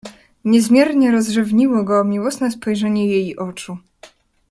Niezmiernie rozrzewniło go miłosne spojrzenie jej oczu.